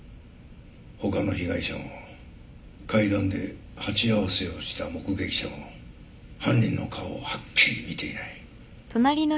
他の被害者も階段で鉢合わせをした目撃者も犯人の顔をはっきり見ていない。